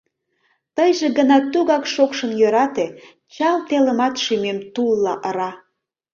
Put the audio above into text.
Тыйже гына тугак шокшын йӧрате — Чал телымат шӱмем тулла ыра.